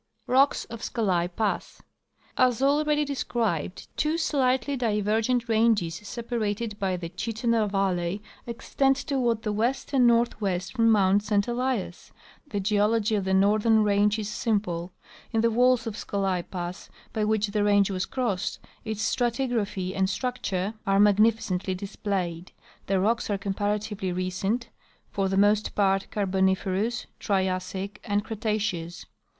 Rocks of Scolai Pass. — As already described, two slightly diver gent ranges, separated by the Chittenah valley, extend toward the west and northwest from mount St Elias. The geology of the northern range is simple. In the walls of Scolai pass, by which the range was crossed, its stratigraphy and structure are magnificently displayed. The rocks are comparatively recent, for the most part Carboniferous, Triassic, and Cretaceous.